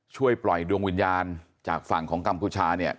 ช่วยปล่อยดวงวิญญาณจากฝั่งของกัมพูชาเนี่ย